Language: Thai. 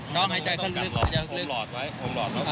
น้องหายใจขึ้นลึกน้องหายใจขึ้นลึก